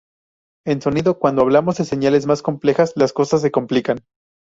En sonido, cuando hablamos de señales más complejas las cosas se complican.